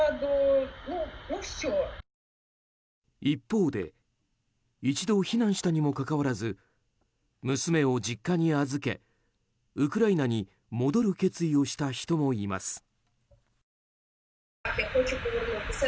一方で一度避難したにもかかわらず娘を実家に預けウクライナに戻る決意をした人もいます。